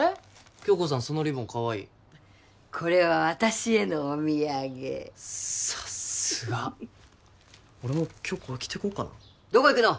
響子さんそのリボンかわいいこれは私へのお土産さっすが俺も今日これ着てこうかなどこ行くの？